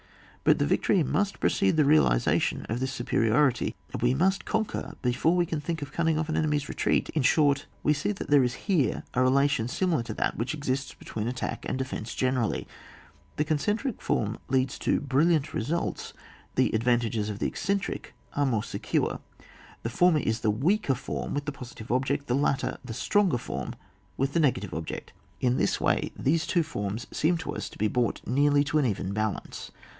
But victory must precede the realisation of this supe riority ; we must conquer before we can think of cutting off an enemy's retreat. In short, we see that there is here a relation similar to that which exists be tween attack and defence generally ; the concentric form leads to brilliant results, the advantages of the eccentric are more secure : the former is the weaker form with the positive object ; the latter, the stroDger form with the negative object In this way these two forms seem to us to be brought nearly to an even balance.